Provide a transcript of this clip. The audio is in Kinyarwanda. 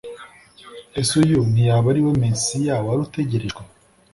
Ese uyu ntiyaba ari we Mesiya wari utegerejwe?